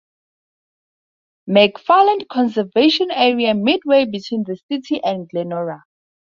McFarland Conservation Area midway between the city and Glenora.